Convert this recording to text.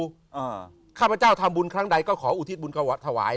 ข้าพเจ้ามาอยู่ข้าพเจ้าทำบุญครั้งใดก็ขออุทิศบุญถวาย